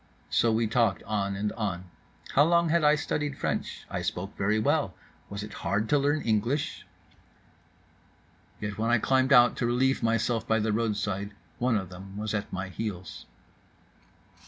—So we talked on and on: How long had I studied French? I spoke very well. Was it hard to learn English?— Yet when I climbed out to relieve myself by the roadside one of them was at my heels.